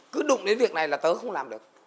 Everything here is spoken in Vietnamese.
cứ đụng đến việc này là thớ không làm được